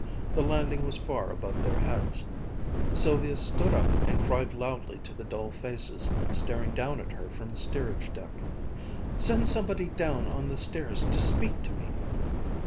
The landing was far above their heads. Sylvia stood up and cried loudly to the dull faces, staring down at her from the steerage deck. "Send somebody down on the stairs to speak to me."